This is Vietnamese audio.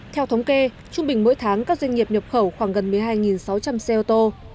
theo thống kê trung bình mỗi tháng các doanh nghiệp nhập khẩu khoảng gần một mươi hai sáu trăm linh xe ô tô